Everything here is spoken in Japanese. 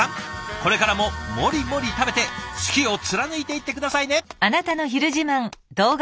これからもモリモリ食べて好きを貫いていって下さいね！